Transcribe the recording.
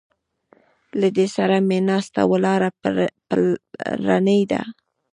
له ده سره مې ناسته ولاړه پلرنۍ ده.